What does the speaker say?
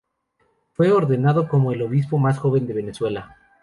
Fue ordenado como el Obispo más joven de Venezuela.